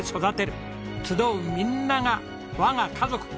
集うみんながわが家族。